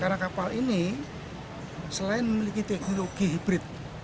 karena kapal ini selain memiliki teknologi hybrid